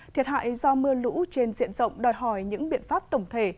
thiệt hại do mưa lũ trên diện rộng đòi hỏi những biện pháp tổng thể